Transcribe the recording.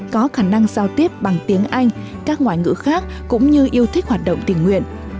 có khả năng giao tiếp bằng tiếng anh các ngoại ngữ khác cũng như yêu thích hoạt động tình nguyện